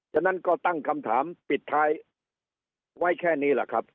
ฉะนั้นก็ตั้งคำถามปิดท้ายไว้แค่นี้แหละครับ